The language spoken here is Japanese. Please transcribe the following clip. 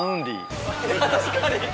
確かに！